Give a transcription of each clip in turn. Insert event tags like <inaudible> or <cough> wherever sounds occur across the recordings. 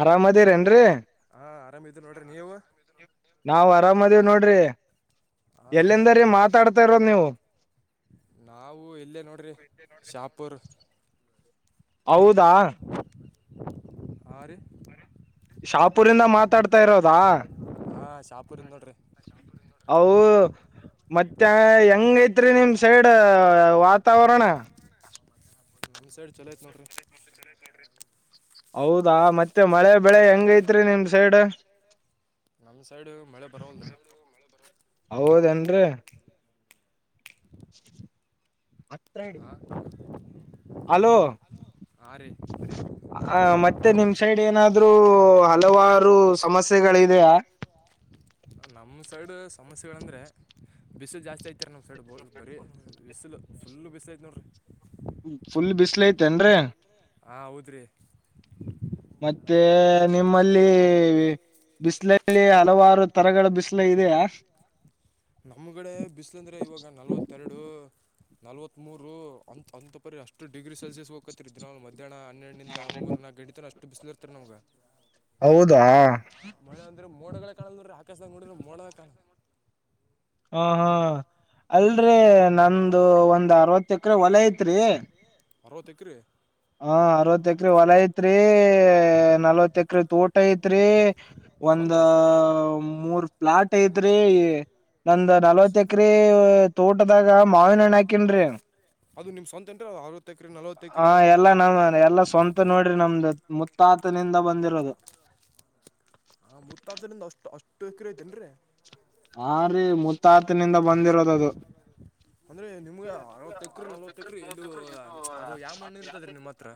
ಆರಾಮ ಅದಿ ರೇನ್ರಿ ಹಾ ಆರಾಮಿದ್ದೀವಿ ನೋಡ್ರಿ ನೀವು ನಾವು್ ಆರಾಮ ಅದಿವ ನೋಡ್ರಿ ಹಾ ಹಾ ಎಲ್ಲಿಂದ ರೀ ಮಾತಾಡ್ತಾ ಇರೋ ನೀವು ನಾವು ಇಲ್ಲೇ ನೋಡ್ರಿ ಶಾಪುರ್ ಹೌದಾ ಹಾರಿ ಶಾಪುರಿಂದ ಮಾತಾಡ್ತಾ ಇರೋದಾ ಹಾ ಶಾಪೂರಿಂದ ನೋಡ್ರಿ ಅವು ಮತ್ತೆ ಹೇಗೆ ಇದೆ ರೀ ನಿಮ್ ಸೈಡ್ ವಾತಾವರಣ ಈ ಸೈಡ್ ಚಲೋ ಐತಿ ನೋಡಿ ಚೊಲೋ ಐತ ನೋಡ್ರಿ ಹೌದಾ ಮತ್ತೆ ಮಳೆ ಬೆಳೆ ಹೆಂಗ ಐತ್ರಿ ನಿಮ್ಮ ಸೈಡ್ ನಮ್ ಸೈಡ್ ಮಳೆ ಬರವಲ್ದು ರೀ ಹೌದೇನ್ರೀ ಮತ್ರಿ ಹಾಂ ಹಲೋ ಹಾರಿ ಆ ಮತ್ತೆ ನಿಮ್ ಸೈಡ್ ಏನಾದ್ರು ಹಲವಾರು ಸಮಸ್ಯೆಗಳಿದೆಯಾ ನಮ್ಮ ಸೈಡು ಸಮಸ್ಯೆಗಳಂದರೆ ಬಿಸಿಲು ಜಾಸ್ತಿ ಇದೆ ನಮ್ ಸೈಡ್ ಭೊಳ್ ಬರಿ ಬಿಸಿಲು ಫುಲ್ ಬಿಲ್ಸು ಐತಿ ನೋಡ್ರಿ ಫುಲ್ ಬಿಸಿಲು ಐತಿ ಏನ್ರೀ ಹಾ ಹೌದ್ರಿ ಮತ್ತೆ ನಿಮ್ಮಲ್ಲಿ ಬಿಸಿಲಲ್ಲಿ ಹಲವಾರು ತರಗಳ ಬಿಸಿಲು ಇದೆಯಾ ನಮ್ ಕಡೆ ಬಿಸಿಲ ಅಂದ್ರೆ ಇವಾಗ ನಲವತ್ತು ಎರಡು ನಲವತ್ತು ಮೂರು ಅಂತ ಅಂತ ಪರಿ ಡಗ್ರಿ ಸೊಲ್ಯೂಷ ಹೊಗ್ <unintelligible> ಮಧ್ಯಾಹ್ನ ಹನೆರಡನಿಂದ ಮೂರ ನಾಲ್ಕು ಗಂಟೆ ತನಕ ಅಷ್ಟು ಬಿಸಿಲ ಇರತ್ತರೀ ನಮಗ ಹೌದಾ ಮಳೆ ಅಂದ್ರ ಮೋಡಗಳ ಕಾಣ್ತಾ ಇಲ್ಲ ಆಕಾಶದಲ್ಲಿ ಮೋಡಗಳ ಕಾಣ ಹಾ ಹಾ ಅಲ್ಲರಿ ನಂದು ಒಂದ ಆರವತ್ತ ಎಕರೆ ಹೋಲ ಐತ್ರಿ. ಆರವತ್ತ ಎಕರೆ ಹಾ ಆರವತ್ತ ಎಕರೆ ಹೋಲ ಐತ್ರಿ ನಲವತ್ತ ಎಕರೆ ತೋಟ ಐತ್ರಿ. ಒಂದ ಸ್ವಂತ ಮೂರ ಫ್ಲಾಟ್ ಐತ್ರಿ. ನಂದ ನಲವತ್ತ ಎಕರೆ ತೋಟದಾಗ ಮಾವಿನ ಹಣ್ಣ ಹಾಕೆನ್ರೀ. ಅದು ನಿಮ್ಮ ಸ್ವಂತ ಅನ್ರಿ ಆರವತ್ತು ಎಕರೆ ನಲವತ್ತು ಎಕರೆ ಹಾ ಎಲ್ಲಾ ನಮ್ಮ ಎಲ್ಲ ಸ್ವಂತ ನೋಡ್ರಿ ನಮ್ದ ಮುತ್ತಾತನಿಂದ ಬಂದಿರೋದು. ಆ ಮುತ್ತಾತನಿಂದ ಅಷ್ಟ ಅಷ್ಟ ಎಕರೆ ಆಯ್ತೇನ್ರಿ. ಹಾ ರೀ ಮುತ್ತಾತಿನಿಂದ ಬಂದಿರೋದದು. ಅಂದ್ರೆ ನಿಮಗ ಅರವತ್ತ ಎಕರೆ ನಲವತ್ತ ಎಕರೆ ಇದು ಯಾವ ಮಣ್ಣು ಇರುತ್ತೆ ನಿಮ್ಮ ಹತ್ತಿರ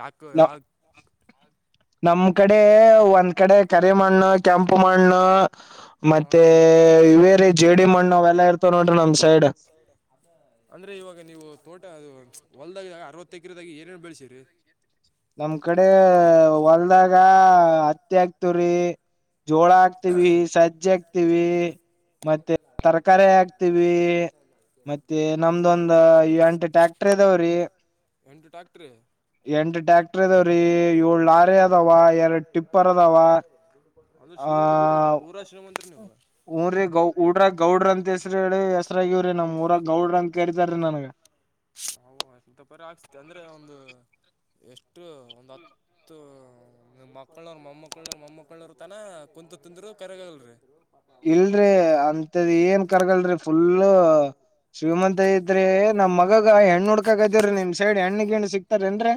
ಯಾಕ ಯಾ ನಮ್ಮ ನಮ್ಮ ಕಡೆ ಒಂದ್ ಕಡೆ ಕರಿ ಮಣ್ಣು ಕೆಂಪು ಮಣ್ಣು ಹಾಂ ಮತ್ತೆ ರೀ ಏ ಇವೇರೀ ಜೆಡಿ ಮಣ್ಣು ಅವೆಲ್ಲ ಇರ್ತವೆ ನೋಡ್ರಿ ನಮ್ಮ ಸೈಡ್. ಅಂದ್ರೆ ಇವಾಗ ನಿವು ತೋಟ ಹೋಲದಾಗ ಆರವತ್ತು ಎಕರೆದಾಗ ಏನ ಏನ ಬೆಳಸಿರೀ. ನಮ್ಮ ಕಡೆ ಹೊಲ್ದಾಗ ಹತ್ತಿ ಹಾಕತೇವ್ರಿ. ಜೋಳ ಹಾಕ್ತೀವಿ ಸಜ್ಜೆ ಹಾಕ್ತಿವಿ. ಮತ್ತೆ ತರಕಾರಿ ಹಾಕ್ತಿವಿ <unintelligible> ಎಂಟ ಟ್ಯಾಕ್ಟರ್ ಇದಾವರೀ. ಎಂಟ ಟ್ಯಾಕ್ಟರ್ ದಾವ್ರೀ ಏಳು ಲಾರಿ ಅದಾವ ಎರಡ ಟಿಪ್ಪರ್ ಅದಾವ. ಅದು ಶ್ರೀಮಂತರ ಬಿಡ್ರಿ ಪೂರ ಶ್ರೀಮಂತರ ನಿವ ಹೂರೀ ಊಡಾಗ ಗೌಡ್ರ ಅಂತ ಹೆಸರು ಆಗೇವಿರಿ ನಮ್ಮ ಊರಾಗ ಗೌಡರ ಅತಾ ಕರಿತಾರೀ ನಂಗ ನಾವು ಹತಾ ಪರ ಅಂದ್ರ ಒಂದು ಎಷ್ಟು ಒಂದು ಹತ್ತು ತ್ತು ನಿಮ್ಮ ಮಕ್ಕಳ ಮೊಮ್ಮಕ್ಕಳ ಮೊಮ್ಮ ಕ್ಕಳರ ತನ ಕುಂತ ತಿಂದರು ಕರಗಲ್ರೀ. ಇಲ್ರೀ ಅಂತದೇನ ಕರಗಲ್ರೀ. ಫುಲ್ ಶ್ರೀಮಂತ ಇದ್ರೆ ನಮ್ಮ ಗಾಗ ಹೆಣ್ಣ ಹುಡ್ಕಕತ್ತಾರ ನಿಮ್ಮ ಸೈಡ್ ಹೆಣ್ಣ ಗಿಣ್ಣ ಸಿಕ್ತಾರೇನ್ರೀ.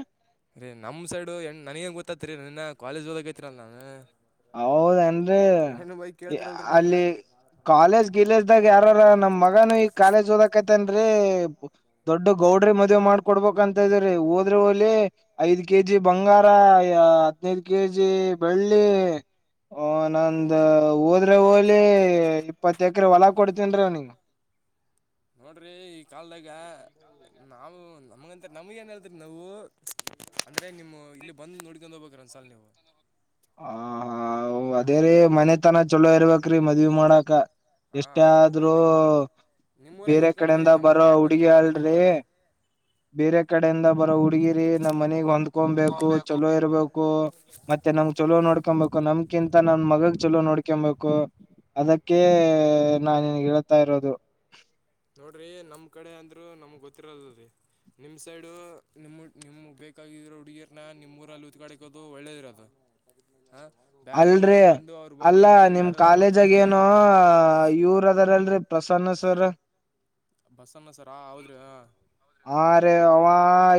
ರೀ ನಮ್ಮ ಸೈಡು ಹೆಣ್ಣ ನನ್ನಗೇನ್ ಗೊತ್ತಾತ್ರೀ ನಾ ಇನ್ನ ಕಾಲೇಜ್ ಹೋದಕೋತ್ತಿನಲ್ರೀ ನಾನ್. ಹೌದೆನ್ರೀ ಯ ಕೇಳ್ತಿರಲ್ರಿ ನಮ್ಗ ಅಲ್ಲಿ ಕಾಲೇಜ್ ಗಿಲೇಜ್ದಾಗ ಯಾರಾರ ನಮ್ಮ ಮಗನು ಈ ಕಾಲೇಜ್ ಓದಕ್ತನ್ರೀ. ದೊಡ್ಡ ಗೌಡ್ರಿ ಮದ್ವೆ ಮಾಡ್ಕೊಡ್ಬೇಕ ಅಂತ ಇದ್ರೀ ಹೋದ್ರ ಹೊಲಿ. ಐದ ಕೆಜಿ ಬಂಗಾರ ಹದಿನೈದ ಕೆಜಿ ಬೆಳ್ಳಿ. ಓ ನಂದ ಹೋದ್ರೆ ಹೋಲಿ ಇಪ್ಪತ್ತ ಎಕರೆ ಹೊಲ ಕೊಡ್ತೇನ್ರೀ ಅವ್ನಿಗ ನೋಡ್ರಿ ಈ ಕಾಲ್ದಾಗ ನಾವು ನಮಗಂತ ನಮಗೇನು ಹೇಳ್ತರಿ ನಾವು ಅಂದ್ರೆ ನಿಮ್ಮ ಇಲ್ಲಿ ಬಂದು ನೋಡ್ಕೊಂಡು ಹೋಗಬೇಕ್ರೀ ಒಂದ್ ಸಲ ನೀವ ಹ್ಮ ಅದೇರೀ ಮನೆತನ ಚಲೋ ಇರ್ಬೇಕ್ರೀ ಮದ್ವಿ ಮಾಡಾಕ. ಹಾ ಎಷ್ಟೆ ಅವ್ನ್ ನೋಡ್ರಿ ಆದ್ರೂ ನೀವು ನಿಮ್ಮೂರಾಗ ಬೇರೆ ಉದ್ಕಾಡ್ರಿ ಕಡೆಯಿಂದ ಬರೋ ನಮ್ಮೂರಿಗೆ ಯಾಕೆ ಹುಡುಗಿ ಬರ್ತೀರಿ ಮತ್ತೆ ಅಲ್ರೀ. ನೀವು ಬೇರೆ ಕಡೆಯಿಂದ ಬರೋ ಹುಡ್ಗಿರೀ ನಮ್ಮ ಮನಗ ಹೊಂದ್ಕೊಬೇಕು ಚಲೋ ಇರ್ಬೇಕ ಕು ಮತ್ತೆ ನಮ್ಮ ಚಲೋ ನೋಡ್ಕೊಬೇಕು ನಮ್ಕಿಂತ ನಮ್ಮ ಮಗಗ ಚಲೋ ನೋಡ್ಕೊಬೇಕು. ಅದಕ್ಕೆ ನಾ ನಿಂಗ ಹೇಳ್ತಾ ಇರೋದು. ನೋಡ್ರಿ ನಮ್ಮ ಕಡೆ ಅಂದ್ರು ನಮಗ ಗೊತ್ತಿರಲ್ಲರೀ. ನಿಮ್ಮ ಸೈಡು ನಿಮ್ಮ ನಿಮ್ಗ ಬೇಕಾಗಿರೋ ಹುಡುಗೀರನ್ನ ನಿಮ್ಮೂರಲ್ಲಿ ಉತ್ಕಾಡಿಕೋದು ಒಳ್ಳೇದರೀ ಅದ. ಹ ಬ್ಯಾರೆ ಅಲ್ಲ್ರೀ ಊರಾಗ ಬಂದು ಅವ್ರ ಬಗ್ಗೆ ಅಲ್ಲ ಏನ್ ನಿಮ್ಮ ತಿಳ್ದಾರದ ಕಾಲೇಜಗೇನೋ ಮಾತಾಡಿದ್ರೆ ಏನೋ ಇವರ ಅದಾರಲ್ರೀ. ಪ್ರಸನ್ನ ಸರ್ ಬಸ್ಸನ್ನ ಸರ್ ಹೌದ್ರೀ ಹ ಆರೀ ಆವ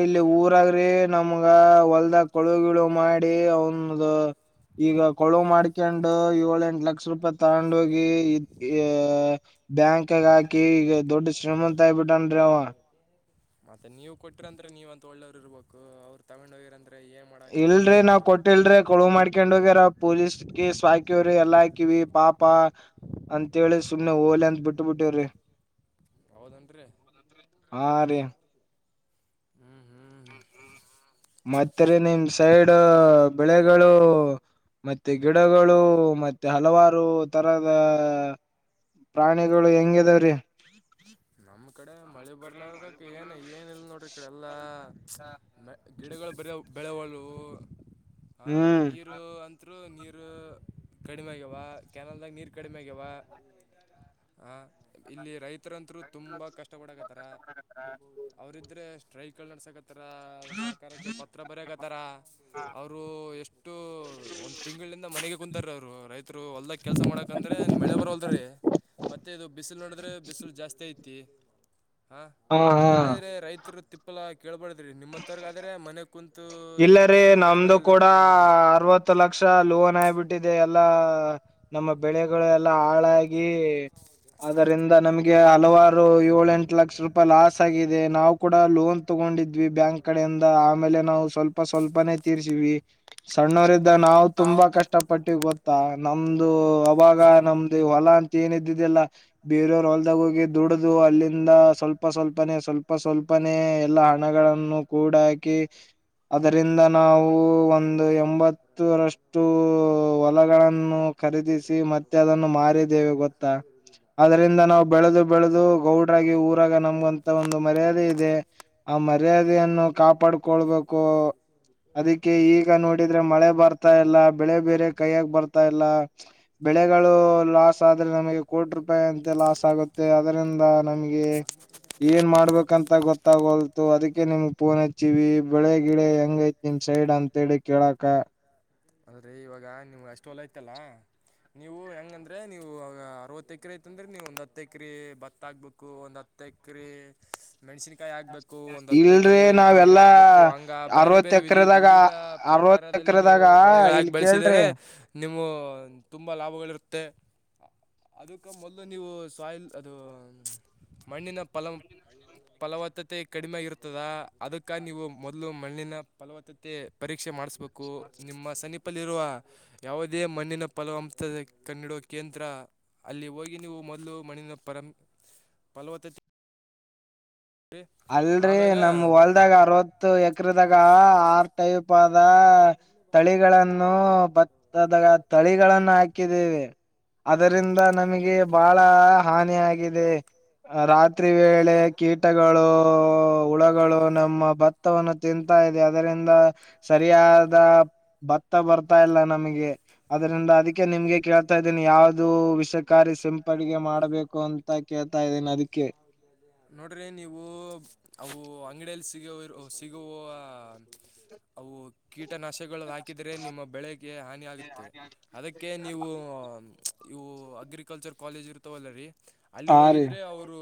ಇಲ್ಲಿ ಊರಾಗ್ರೀ ನಮಗಾ ಹೊಲ್ದಗ ಕಳು ಗಿಳು ಮಾಡಿ ಅವನ್ ಅದ ಈಗ ಕೊಳು ಮಾಡ್ಕೊಂಡು ಏಳ್ ಎಂಟ ಲಕ್ಷ ರೂಪಾಯಿ ತಗೊಂಡ ಹೋಗಿ ಅ ಬ್ಯಾಂಕ್ಗ ಹಾಕಿ ಈಗ ದೊಡ್ಡ ಶ್ರೀಮಂತ ತ್ತಾಗಿ ಬಿಟ್ಟನ್ರೀ. ಮತ್ತೆ ನೀವ್ ಕೊಟ್ಟಿರಂದ್ರೆ ನೀವ್ ಅಂತ ಒಳ್ಳೆಯವರೀರ್ಬೇಕು ಅವ್ರು ತಕೊಂಡ ಹೋಗ್ಯಾರಂದ್ರೆ ಏ ಇಲ್ರೀ ನಾವ ಕೊಟ್ಟಿಲ್ರೀ ಕೊಳ ಮಾಡ್ಕೊಂಡ ಹೋಗ್ಯಾರ. ಪೊಲೀಸ್ ಕೇಸ್ ಹಾಕಿವ್ರೀ ಎಲ್ಲಾ ಹಾಕಿವಿ ಪಾಪಾ ಅಂತೇಳಿ ಸುಮ್ನೆ ಓಲ ಅಂತ ಬಿಟ್ಟ್ಬಿಟ್ಟೇವ್ರಿ. ಹೌದನ್ರೀ. ಹಾರಿ ಹ್ಮ್ ಹ್ಮ್ ಮತ್ತ ರೀ ನಿಮ್ಮ ಸೈಡ್ ಬೆಳೆಗಳು ಮತ್ತೆ ಗಿಡಗಳು ಮತ್ತೆ ಹಲವಾರು ತರದ ಪ್ರಾಣಿಗಳು ಹೆಂಗಿದವ್ರೀ. ನಮ್ಮ ಕಡೆ ಮಳಿ ಬರ್ಲಾರದಕ್ಕ ಏನ್ ಏನು ಇಲ್ಲ ನೋಡ್ರಿ ಈ ಕಡೆ ಎಲ್ಲಾ ಹಾ ಗಿಡಗಳ ಬರ ಬೆಳವಲೂ ಆ ಹ್ಮ್ ನೀರು ಅಂ ತ್ರು ನೀರು ಕಡಿಮೆ ಆಗ್ಯಾವ ಕ್ಯಾನಲ್ದಾಗ ನೀರು ಕಡಿಮ ಆಗ್ಯಾವ. ಹ ಇಲ್ಲಿ ರೈತರಾಂತ್ರು. ತುಂಬಾ ಕಷ್ಟ ಕೊಡಕತ್ತಾರ ಅವ್ರಿದ್ರೇ ಸ್ಟ್ರೈಕ್ ಗಳ ನಡಾಸಕ ತ್ತರ ಸರ್ಕಾರಕ್ಕೆ ಪತ್ರ ಬರೇಯಕ್ತಾರ. ಅವರು ಎಷ್ಟು ಒಂದ ತಿಂಗಳಿಂದ ಮನೆಗ ಕುಂತಾರೆ ಅವರು ರೈತರು ಹೊಲ್ದಕ್ಕ ಕೆಲಸ ಮಾಡಕಂದ್ರೆ ಮಳೆ ಬರೋಲ್ದ ರೀ ಮತ್ತೆ ಇದು ಬಿಸಿಲ ನೋಡಿದ್ರೆ ಬಿಸಿಲ ಜಾಸ್ತಿ ಐತಿ. ತಿ ಅ ಹಾ ಹಾ ಹಿಂಗಾದ್ರೆ ರೈತರ ತಿಪ್ಪ್ ಪಲ್ಲಾ ಕೇಳ್ಬಡ್ದ್ರಿ ನಿಮ್ಮಂತವರ್ಗಾದ್ರೆ ಮನೆ ಕುಂತು ಇಲ್ಲ ತಿಂದ್ರುನು ಕಡಿಮೆ ಆಗಲ್ದರಿ ರೊಕ್ಕ ನೀವ್ ಹತ್ತ ಲಕ್ಷ ಲೋನ್ ಆಯಾಬಿಟ್ಟಿದೆ ಎಲ್ಲಾ ನಮ್ಮ ಬೆಳೆಗಳೆಲ್ಲ ಹಾಳಾಗಿ ಅದರಿಂದ <inaudible> ನಮಗೆ ಹಲವಾರು ಏಳ ಎಂಟ ಲಕ್ಷ ರೂಪಾಯಿ ಲಾಸ್ ಆಗಿದೆ ನಾವು ಕೂಡ ಲೋನ್ ತಗೊಂಡಿದ್ದ ದ್ವಿ ಬ್ಯಾಂಕ್ ಕಡೆಯಿಂದ ಆಮೇಲೆ ನಾವು ಸ್ವಲ್ಪ ಸ್ವಲ್ಪನೆೇ ತೀರ್ಸಿವಿ. ಸಣ್ಣವ್ರಿದ್ದ ನಾವು ತುಂಬಾ ಕಷ್ ಇಷ್ಟಪಟ್ಟಿ ಗೊತ್ತಾ ನಮ್ದು ಅವಾಗ ನಮ್ದು ಹೊಲ ಅಂತ ಏನ ಇದ್ದಿದಿಲ್ಲ. ಬೇರೆಯವರ ಹೊಲ್ದಾಗ ಹೋಗಿ ದುಡುದು ಅಲ್ಲಿಂದ ಸ್ವಲ್ಪ ಸ್ವಲ್ಪನೆೇ ಸ್ವಲ್ಪ ಸ್ವಲ್ಪನೆೇ ಎಲ್ಲಾ ಹಾ ಮಗಳನ್ನು ಕೂಡ ಹಾಕಿ ಅದರಿಂದ ನಾವು ಒಂದ ಎಂಬ ಹತ್ತರಷ್ಟು ಹೊಲಗಳನ್ನು ಖರೀದಿಸಿ ಮತ್ತೆ ಅದನ್ನು ಮಾರಿದ್ದೇವೆ ಗೊತ್ತಾ. ಆದರಿಂದ ನಾವು ಬೆಳೆದು ಬೆಳೆದು ಗೌಡ್ರಾಗಿ ಊರಾಗ ನಮವಂತ ಒಂದು ಮರ್ಯಾದೆ ಇದೆ. ಆ ಮರ್ಯಾದೆಯನ್ನು ಕಾಪಾಡ್ಕೊಳ್ಬೇಕು. ಅದಕ್ಕೆ ಈಗ ನೋಡಿದ್ರೆ ಮಳೆ ಬರ್ತಾ ಇಲ್ಲ ಬೆಳೆ ಬೇರೆ ಕೈಯಗ ಬರ್ತಾ ಇಲ್ಲ. ಬೆಳೆಗಳು ಲಾಸ್ ಆದ್ರ ನಮಗೆ ಕೋಟಿ ರೂಪಾಯಿ ಅಂತೆ ಲಾಸ್ ಆಗುತ್ತೆ ಅದರಿಂದ ನಮಗೆ ಏನ್ ಮಾಡ್ಬೇಕಂತ ಗೊತ್ತಾಗೋಲ್ ಅದಕ್ಕೆ ನಿಮ್ಗ ಫೋನ್ ಹಚ್ಚಿವಿ ಬೆಳೆ ಗಿಡ ಹೆಂಗ ಐತಿ ನಿಮ್ ಸೈಡ್ ಅಂತೇಳಿ ಕೇಳಾಕ ಆದ್ರೆ ಇವಾಗ ನೀವ ಅಷ್ಟ ಹೊಲ ಐತಲ್ಲಾ. ನೀವು ಹೆಂಗಂದ್ರೆ ನೀವು ಅರವತ್ತು ಎಕರೆ ಐತಂದ್ರ ನೀವು ಒಂದು ಹತ್ತು ಎಕರೆ ಭತ್ತಾಕ್ಬೇಕು ಒಂದ ಹತ್ ತೆಕ್ರೆ ಮೆಣ್ಸಿನಕಾಯಿ ಹಾಕಬೇಕು ಒಂದ ಹತ್ತು ಇಲ್ರಿ ಎಕರೆ ತೊಗರಿ ನಾವೆಲ್ಲಾ ಆಗಬೇಕು ಹಂಗೆ ಬೇರೆ ಅರವತ್ ಬೇರೆ ವಿಧಿ ಎಕರೆದಾಗ ವಿವಿಧ ಅರವತ್ ಪ್ರಕಾರದಲ್ಲಿ ನೀವು ಎಕರೆದಾಗ ಇಲ್ ಬಳೆಗಕಿ ಕೇಳ್ರಿ ಬೆಳಸಿದರೆ ನೀವು ತುಂಬ ಲಾಭಗಳಿರುತ್ತೆ. ಅದಕ್ಕ ಮೊದಲು ನೀವು ಸಾಯಿಲ್ ಅದು ಮಣ್ಣಿನ ಪಲಂ ಫಲವತ್ತತೆ ಕಡಿಮೆ ಆಗಿರ್ತದ ಅದಕ್ಕ ನೀವು ಮೊದಲು ಮಣ್ಣಿನ ಫಲವತ್ತತೆ ಪರೀಕ್ಷೆ ಮಾಡಿಸ ಬೇಕು ನಿಮ್ಮ ಸನಿಪಲ್ಲಿರುವ ಯಾವುದೇ ಮಣ್ಣಿನ ಫಲವತೆ ಕಣಿಡೋ ಕೇಂದ್ರ ಅಲ್ಲಿ ಹೋಗಿ ನೀವು ಮೊದಲು ಮಣ್ಣಿನ ಪರಂ ಫಲವತ್ತತೆ ಅಲ್ರೀ ಆಮ್ಯಾಗ ನಮ್ಮ ಹೊಲ್ದಾಗ ಅರವತ್ತ ಎಕ್ರದಾಗ ಆರ್ ಟೈಪ್ ಆದ ತಳಿಗಳನ್ನು ಬತ್ತದ ತಳಿಗಳನ್ನು ಹಾಕಿದ್ದೇವ. ಅದರಿಂದ ನಮಗೆ ಬಹಳ ಹಾನಿ ಆಗಿದೆ ರಾತ್ರಿ ವೇಳೆ ಕೀಟ ಓ ಹುಳಗಳು ನಮ್ಮ ಬತ್ತ ತ್ವವನ್ನು ತಿಂತಾ ಇದೆ ಅದರಿಂದ ಸರಿಯಾದ ಭತ್ತ ಬರ್ತ ತ್ತಾ ಇಲ್ಲ ನಮಗೆ ಅದರಿಂದ ಅದಕ್ಕೆ ನಿಮ್ಗೆ ಕೇಳ್ತಾ ಇದ್ದೀನಿ ಯಾವ್ದು ವಿಷಕಾರಿ ಸಿಂಪಡಿಗೆ ಮಾಡಬೇಕು ಅಂತ ಕೇಳ್ತಾ ಇದ್ದನಿ ಅದಕ್ಕೆ ನೋಡ್ರಿ ನೀವು ಅವು ಅಂಗಡಿಯಲ್ಲಿ ಸಿಗ ಸಿಗುವ <inaudible> ಅವು ಕೀಟನಾಶಗಳು ಹಾಕಿದರೆ ನಿಮ್ಮ ಬೆಳೆಗೆ ಹಾನಿಯಗತ್ತೆ. ಅದಕ್ಕೆ ನೀವು ಇವು ಅಗ್ರಿಕಲ್ಚರ್ ಕಾಲೇಜ್ ಇರ್ತವಲ್ಲರೀ ಅಲ್ಲಿ ಹಾ ರೀ ಹೋಗಿದರೆ ಅವರು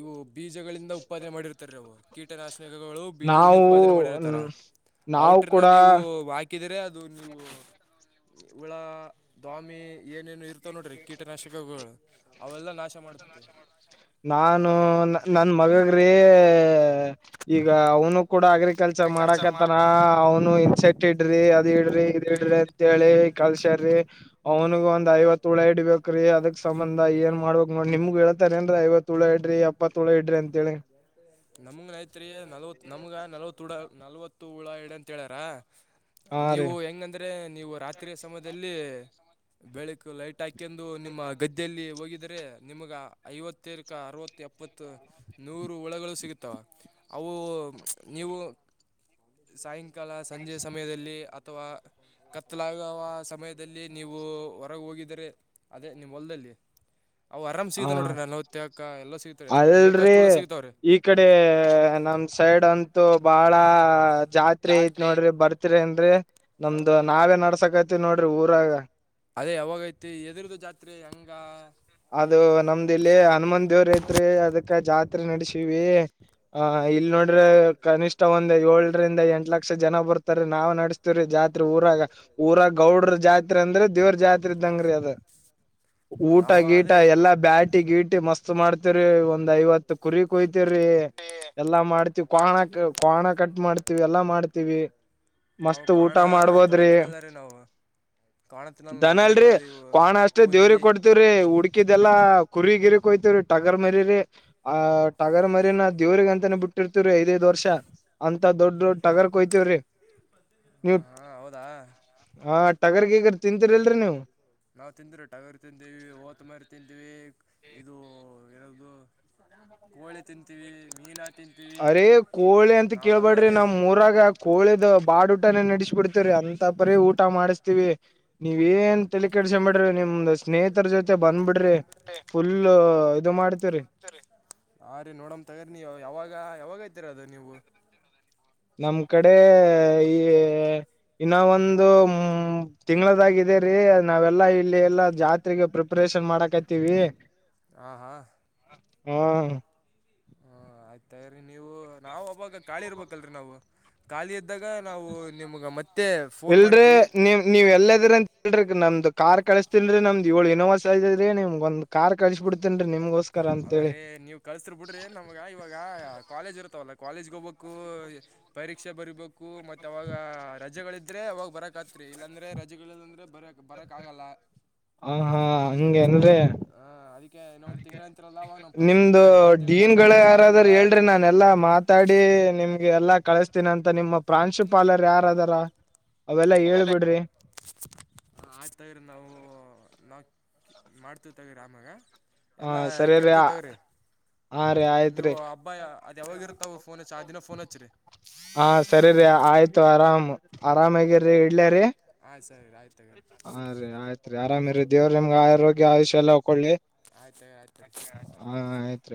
ಇವು ಬೀಜಗಳಿಂದ ಉಪ್ಪಾದನೆ ಮಾಡಿರ್ತಾರೆ ಅವು ಕೀಟನಾಶನೆಗಳು ಬೀಜ ನಾವು ಉತ್ಪಾದನೆ ಮಾಡಿರತ್ತಾರ ನಾವು ಔಟ್ರನ ಕೂಡ ನೀವು ವಾಕಿ ಕಿದ್ರ ಅದು ನೀವು ಉಳ ದಾಮಿ ಏನೇನು ಇ ತರಿ ನೋಡ್ರಿ ಕೀಟನಾಶಕಗಳು ಅವೆಲ್ಲ ನಾಶ ಮಾಡುತ್ತೆ ನಾನು ಹಾಂ ನನ್ನ ಮಗಗ್ರೀ ಈಗ ಅವನು ಕೂಡ ಅಗ್ರಿಕಲ್ಚರ್ ಮಾಡಕತ್ತಾರ ಅವ ಇನ್ ಸೆಟ್ ಇಡ್ರಿ ಅದ್ ಇಡ್ರಿ ಇದ ಇಡ್ರಿ ಅಂತ ಹೇಳಿ ಕಲ್ಸ್ಯಾರ್ರಿ. ಅವನಗ ಒಂದ ಐವತ್ತ ಹುಳ ಇಡ್ಬೇಕ. ಕ್ರಿ ಅದಕ್ ಸಂಬಂಧ ಏನ್ ಮಾಡ್ಬೇಕ ಮಾಡ ನಿಮ್ಗ ಹೇಳ್ತಾರೇನ್ರೀ ಐವತ್ತ ಹುಳ ಇಡ್ರಿ ಅಪ್ಪ ಹುಳ ಇಡ್ರಿ ಅಂತೇಳಿ. <inaudible> ನಮ್ಗ ನೈತ್ರಿ ನಲ್ವತ ನಮ್ಗ ನಲ್ವತ್ ಹಡ ನಲ್ವತ್ತು ಹುಳ ಹಿಡ ಅಂತ ಹೇಳ್ಯಾರ. ಹಾ ರೀ ನೀವು ಹೆಂಗಂದ್ರೆ ನೀವು ರಾತ್ರಿ ಸಮಯದಲ್ಲಿ ಬೆಳಕು ಲೈಟ್ ಹಾಕ ಕೆಂದು ನಿಮ್ಮ ಗದ್ದೆಯಲ್ಲಿ ಹೋಗಿದರೆ ನಿಮ್ಗ ಐವತ್ತಕ ಅರವತ್ತ ಎಪ್ಪತ್ತ ನೂರು ಹುಳಗಳು ಸಿಗುತ್ತವೆ ಅವು ನೀವು ಸಾಯಂಕಾಲ ಸಂಜೆ ಸಮಯದಲ್ಲಿ ಅಥವಾ ಕತ್ತಲಾಗುವ ಸಮಯದಲ್ಲಿ ನೀವು ಹೊರಗ ಹೋಗಿದರೆ ಅದೇ ನಿಮ್ಮ ಹೊಲ್ದಲ್ಲಿ ಅವ ಅರಾಮ್ ಸಿಗತ ಹಾ ನೋಡ್ರರಿ ನನ್ ಹೊತ್ತ ಹಾಕ ಎಲ್ಲ ಸಿಗತ ಎಷ್ಟ ಅಲ್ರಿ ಬೇಕಷ್ಟಳ ಸಿಗತಾವ್ರೀ. ಈ ಕಡೇ ನಮ್ ಸೈಡ್ ಅಂತೂ ಬಾಳ ಜಾತ್ರೆ ಐತ್ ನೋಡ್ರಿ ಬರ್ತಿರೆನ್ರಿ ನಮ್ದು ನಾವೇ ನಡ್ಸಕತ್ರಿ ನೋಡ್ರಿ ಊರಾಗ ಅದೇ ಯಾವಾಗ ಐತಿ ಎದುರುದು ಜಾತ್ರೆ ಹೆಂಗ ಅದು ಏನು ನಮ್ದ್ ಇಲ್ಲಿ ಹನುಮಾನ್ ದೇವ್ರ ಐತ್ರಿ ಅದುಕ್ಕ ಜಾತ್ರೆ ನಡೆಸಿವಿ ಹಾ ಇಲ್ಲಿ ನೋಡ್ರೆ ಕನಿಷ್ ಷ್ಟ ಒಂದ ಏಳ್ರಿಂದ ಎಂಟ ಲಕ್ಷ ಜನ ಬರ್ತಾರೆ ನಾವೆ ನಡಸ್ತಿವ್ರೀ ಜಾತ್ ಊರಾಗ ಊರಾಗ ಗೌಡ್ರ ಜಾತ್ರೆ ಅಂದ್ರೆ ದೇವ್ರ ಜಾತ್ರೆ ಇದ್ದಂಗ್ರೀ ಅದು ಊಟ್ ಯಾವ ಅದೇ ಎಲ್ಲಾ ಬ್ಯಾಟಿ ಗೀಟಿ ಮಸ್ತ್ ಮಾಡ್ತಿವ್ರಿ ಒಂದ್ ಐವತ್ತು ಕುರಿ ಕುಯ್ತುವ್ರಿ ಎಲ್ಲಾ ಮಾಡ್ತಿವಿ ಕೊಣ ಕ ಕೊಣ ಕಟ್ ಮಾಡ್ತಿವಿ ಎಲ್ಲಾ ಮಾಡ್ತಿವಿ ನಾವು ಮಸ್ತ್ ಊಟ ಕ್ವಾಣ ಅಂತೆಲ್ಲ ಮಾಡ್ಬೋದ್ರಿ ತಿನ್ನಲ್ಲ ರೀ ನಾವು ಕ್ವಾಣ ತಿನ್ನಲ್ಲ ನಾವು ದನಲ್ರಿ ಬೇಕಾದ ಇವು ಕೊಣಷ್ಟೇ ದೇವ್ರ ಕೂದರಿ ಕೊಡ್ತ ವ್ರಿ ಹುಡ್ಕಿದೆಲ್ಲ ಕುರಿ ಗಿರಿಕುಯ್ತವ್ರಿ ಟಗ್ರ್ ಮರಿರಿ ಆ ಟಗರ್ ಮರಿನ ದೇವ್ರಿಗೆ ಅಂತಾನ ಬಿಟ್ಟಿರ್ತಿವ್ರೀ ಐದೈದ್ ವರ್ಷ ಅಂತ ದೊಡ್ದೊಡ್ಡ ಟಗ್ರ್ ಕುಯ್ತಿವ್ರಿ ನ್ಯೂ ಹಾಂ ಹಾಂ ಹೌದಾ ಹಾ ಟಗರ್ಗಿಗರ್ ತಿಂತೀರಿಲ್ರಿ ನೀವು ನಾವು ತಿಂದ್ರೆ ಟಗ್ರ್ ತಿಂದೀವಿ ಓತ್ ಮರಿ ತಿಂತೀವಿ ಇದೂ ಏನಾದು ಕೋಳಿ ತಿಂತೀವಿ ಮೀನಾ ತಿಂತೀವಿ ಅರೇ ಕೋಳಿ ಅಂತ ನಾವೆಲ್ಲ ಕೇಳ್ಬಾಡ್ರಿ ರೀ ನಾಮೂರಾಗ ಕೋಳಿದ ಬಾಡೂಟಾನೇ ನಡೆಸ್ಬಿಡ್ತೆವ್ರಿ ಅಂತ ಪರಿ ಊಟ ಮಾಡಿಸ್ತಿವಿ ನೀವೇನ್ ತಲಿಕೆಡಸಂಬಿಡ್ರಿ ನಿಮ್ದ ಸ್ನೇಹಿತ್ರು ಜೊತೆ ಬಂದ್ಬಿಡ್ರಿ ಫುಲ್ ಇದು ಮಾಡ್ತಿವ್ರಿ ಹಾ ರೀ ನೋಡಮ್ ತಗಾರಿ ನೀ ಯಾವಾಗ ಯಾವಾಗ ಐತರಿ ಅದು ನೀವು ನಮ್ ಕಡೇ ಈ ಇನ್ನಾ ಒಂದು ಮು ತಿಂಗ್ಳುದಾಗೆ ಇದೆ ರಿ ನಾವೆಲ್ಲಾ ಇಲ್ಲಿ ಎಲ್ಲಾ ಜಾತ್ರೆಗೆ ಪ್ರಿಪರೇಷನ್ ಮಾಡಕತ್ತಿವಿ ಆ ಹಾ ಹ್ಮೂ ಹ್ಮಾ ಆಯ್ತ್ ತಗೋರಿ ನೀವು ನಾವ್ ಹೋಬೇಕು ಕಾಳಿ ಇರ್ಬೇಕಲ್ರಿ ನಾವು ಖಾಲಿ ಇದ್ದಾಗ ನಾವು ನಿಮ್ಗ ಮತ್ತ್ ಇಲ್ರಿ ನಿಮ್ ನೀವ ಎಲ್ಲಅದಿರ ಅಂತೇಳ್ರಿ ನಮ್ದು ಕಾರ್ ಕಳ್ಸುತೀನ್ರಿ ನಮ್ದು ಏಳು ಇನೋವಾ ಸೈಜೊ ಇದೆ ನಿಮ್ಗ ಒಂದು ಕಾರ್ ಕಳ್ಸುಬಿಡ್ತನ್ರಿ ನಿಮಗೋಸ್ ಅಲ್ಲರೀ ನೀವ್ ಕಳುಸ್ತಿರ ಬಿಡ್ರಿ ನಮ್ಗ ಇವಾಗ ಕಾಲೇಜ್ ಇರ್ತವಲ್ಲ ಕಾಲೇಜ್ಗೆ ಹೋಗ್ಬೇಕೂ ಪರೀಕ್ಷೆ ಬರಿಬೇಕು ಮತ್ ಅವಾಗ ರಜೆಗಳಿದ್ರೆ ಅವಾಗ ಬರಕಾತ್ರಿ ಇಲ್ಲಾಂದ್ರೆ ರಜೆಗಳಿಲ್ಲ ಅಂದ್ರೆ ಬರಕ್ ಬರಕ್ಕ ಆಗಲ್ಲ ಹ ಹಾ ಹಂಗೆ ಹಂಗೆ ಹಾ ಅದಿಕ್ಕೆ ಇನ್ನೊಂದ್ ತಿ ನಿಮ್ದೂ ಡೀನ್ ಗಳ ಪರೀಕ್ಷೆ ಅವ ಯಾರಾದ್ರೂ ನಮಗೆ ಹೇಳ್ರಿ ನಾನೆಲ್ಲಾ ಮಾತ್ ತಾಡಿ ನಿಮ್ಗೆ ಎಲ್ಲಾ ಕಳಸ್ತೀನಅಂತ ನಿಮ್ಮ ಪ್ರಾಂಶುಪಾಲರ್ ಯಾರದಾರ ಅವೆಲ್ಲಾ ಹೇಳುಬಿಡ್ರಿ ಹ ಆಯ್ತ್ ತಗೋರಿ ನಾವೂ ನಾವ್ ಮಾಡ್ತಿ ತಗೋರಿ ಆಮಾಗ ಹ ಎಲ್ಲಾ ಸರಿ ರೀ ಕೇಳ್ತವ್ ತಗೋರಿ ಹಾ ರೀ ನೀವು ಆಯ್ತ್ರಿ ಹಬ್ಬ ಅ ಅದ ಯಾವಾಗ ಇರುತ್ತೊ ಫೋನ್ ಹಚ್ಚಿ ಆ ದಿನ ಫೋನ್ ಹಚ್ರಿ ಹಾ ಸರಿರಿ ಆಯ್ತು ಆರಾಮು ಆರಾಮಗಿರ್ರಿ ಇಡ್ಲಾ ರಿ ಆಯ್ತ್ ಸರಿ ರಿ ಆಯ್ತ್ ತಗೊರಿ ಹಾ ರಿ ಆಯ್ತ್ ರಿ ಆರಾಮಿರಿ ದೇವ್ರ ನಿಮ್ಗ್ ಆರೋಗ್ಯ ಆಯುಷ್ಯ ಎಲ್ಲ ಕೊಡ್ಲಿ ಆಯ್ತ್ ತಗೊ ಆಯ್ತ್ ರಿ ಹಾ ಆಯ್ತ